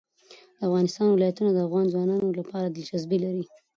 د افغانستان ولايتونه د افغان ځوانانو لپاره دلچسپي لري.